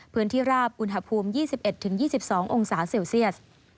พื้นที่ราบอุณหภูมิ๒๑๒๒องศาเซลเซียส